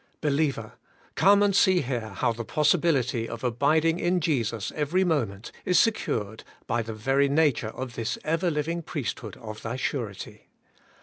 Believer ! come and see here how the possibility of abiding in Jesus every moment is secured by the very nature of this ever living priesthood of thy surety.